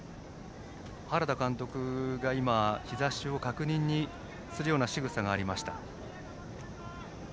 原田監督が日ざしを確認するようなしぐさがありました。